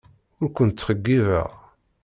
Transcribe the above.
Ur kent-ttxeyyibeɣ.